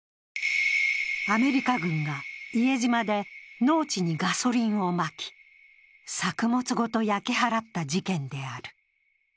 アメリカ軍が伊江島で農地にガソリンをまき作物ごと焼き払った事件である。